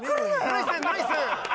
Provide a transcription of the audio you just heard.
ナイスナイス！